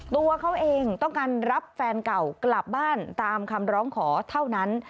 ตัวเขาเองต้องการรับแฟนเก่ากลับบ้านตามคำร้องขอเท่านั้น